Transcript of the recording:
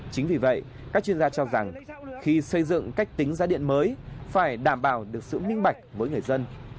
chính vì vậy các chuyên gia cho rằng khi xây dựng cách tính giá điện mới phải đảm bảo được sự minh bạch với người dân